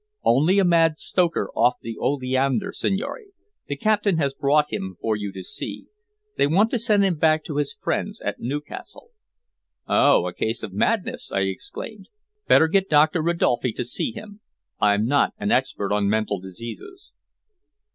"Only a mad stoker off the Oleander, signore. The captain has brought him for you to see. They want to send him back to his friends at Newcastle." "Oh! a case of madness!" I exclaimed. "Better get Doctor Ridolfi to see him. I'm not an expert on mental diseases."